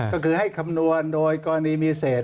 ก็คือให้คำนวณโดยกรณีมีเศษ